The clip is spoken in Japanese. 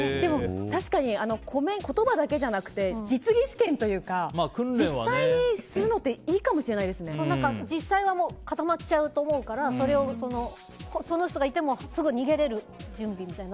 確かに、言葉だけじゃなくて実技試験というか実際にするのって実際は固まっちゃうと思うからそれをその人がいてもすぐに逃げれる準備みたいな。